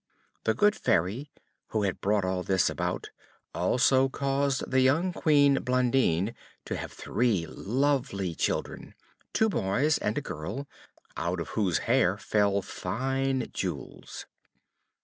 The good Fairy, who had brought all this about, also caused the young Queen Blondine to have three lovely children, two boys and a girl, out of whose hair fell fine jewels.